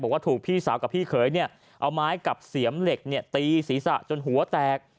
บอกว่าถูกพี่สาวกับพี่เขยเอาไม้กับเสียมเหล็กตีศีรษะจนหัวแตก